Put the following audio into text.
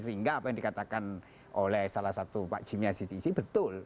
sehingga apa yang dikatakan oleh salah satu pak jimi hasidisi betul